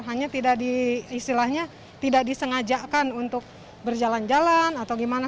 hanya tidak disengajakan untuk berjalan jalan atau gimana